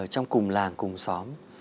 trong cùng làng cùng xóm